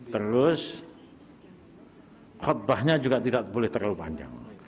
terus khutbahnya juga tidak boleh terlalu panjang